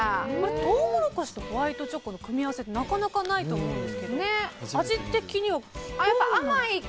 トウモロコシとホワイトチョコの組み合わせってなかなかないと思うんですけど味的にはどういう。